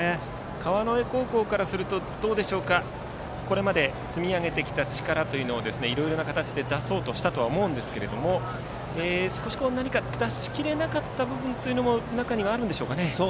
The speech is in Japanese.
川之江高校からするとこれまで積み上げてきた力をいろいろな形で出そうとしたとは思いますが少し出し切れなかった部分も中にはあるんでしょうかね。